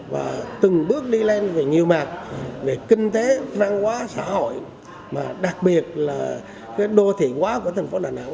và từng bước đi lên về nhiều mặt về kinh tế văn hóa xã hội mà đặc biệt là đô thị hóa của thành phố đà nẵng